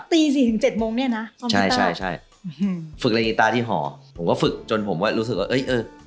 ตี๔ถึง๗โมงเนี่ยนะความกีต้าใช่ฝึกเล่นกีต้าที่ห่อผมก็ฝึกจนผมก็รู้สึกว่าเอ๊ะ